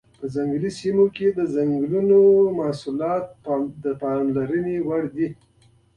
په ځنګلي سیمو کې د ځنګلونو محصولات پاملرنې وړ دي.